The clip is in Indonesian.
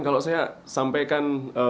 kalau saya sampaikan